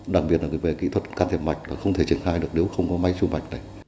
đặc biệt là về kỹ thuật can thiệp mạch là không thể triển khai được nếu không có máy chụp mạch này